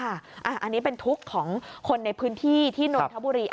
อันนี้เป็นทุกข์ของคนในพื้นที่ที่นนทบุรี